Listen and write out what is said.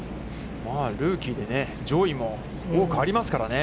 ルーキーで、上位も多くありますからね。